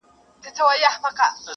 لوڅ لپړ وو په كوټه كي درېدلى.